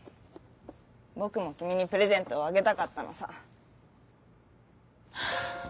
ぼくもきみにプレゼントをあげたかったのさ」。